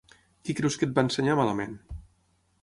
Qui creus que et va ensenyar malament?